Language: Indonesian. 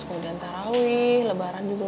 kemudian tarawih lebaran juga